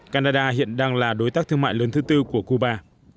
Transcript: canada hiện đang là đối tác thương mại lớn thứ tư của cuba